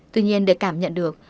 tuy nhiên để cảm nhận được